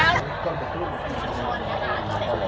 เรียบร้อยเรียบร้อยแล้ว